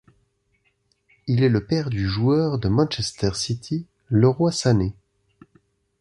Il est le père du joueur de Manchester City Leroy Sané.